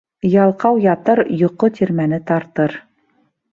Ялҡау ятыр, йоҡо тирмәне тартыр.